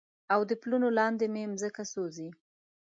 او د پلونو لاندې مې مځکه سوزي